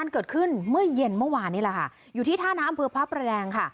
เกิดขึ้นเมื่อเย็นเมื่อวานนี้แหละค่ะอยู่ที่ท่าน้ำอำเภอพระประแดงค่ะ